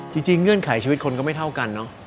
จริงเงื่อนไขชีวิตคนก็ไม่เท่ากัน